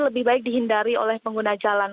lebih baik dihindari oleh pengguna jalan